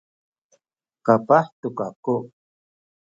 kapah tu kaku